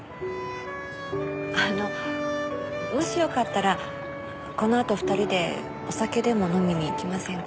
あのもしよかったらこのあと２人でお酒でも飲みにいきませんか？